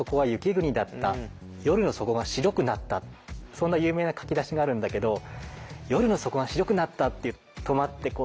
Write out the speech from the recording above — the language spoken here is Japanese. そんな有名な書き出しがあるんだけど「夜の底が白くなった」って止まって想像する。